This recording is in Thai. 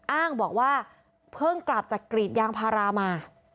อ้างบอกว่าเพิ่งกลับจากกรีดยางพารามา